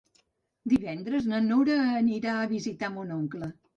Divendres na Nora anirà a visitar mon oncle.